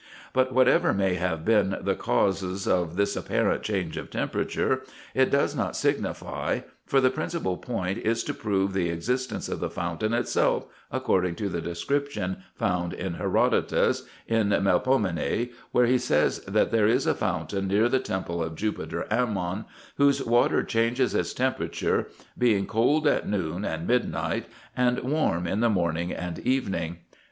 But whatever may have been the causes of this apparent change of temperature, it does not signify, for the principal point is to prove the existence of the fountain itself, according to the description found in Herodotus, in Melpomene, where he says that there is a fountain near the temple of Jupiter Amnion, whose water changes its temperature, being cold at noon and midnight, and warm in the morning and evening.